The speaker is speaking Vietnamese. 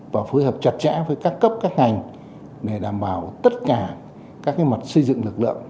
và phối hợp chặt chẽ với các cấp các ngành để đảm bảo tất cả các mặt xây dựng lực lượng